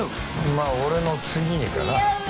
まあ俺の次にかな似合う！